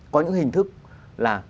có những hình thức là